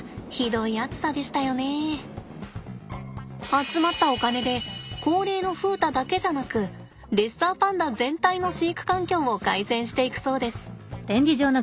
集まったお金で高齢の風太だけじゃなくレッサーパンダ全体の飼育環境を改善していくそうです。